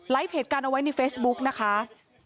เหตุการณ์เอาไว้ในเฟซบุ๊กนะคะ